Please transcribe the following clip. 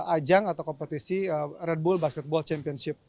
ajang atau kompetisi red bull basketball championship